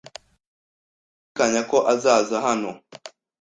Sinshidikanya ko azaza hano.